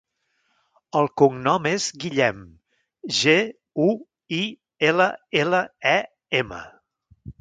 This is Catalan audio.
El cognom és Guillem: ge, u, i, ela, ela, e, ema.